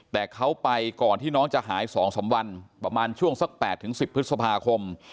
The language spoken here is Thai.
แต่เขาไปก่อนที่น้องจะหาย๒๓วันประมาณช่วงสัก๘๑๐พฤษภาคม